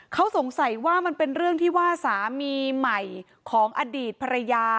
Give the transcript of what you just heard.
เขาสงสัยว่ามันเป็นเรื่องที่ว่าสามีใหม่ของอดีตภรรยา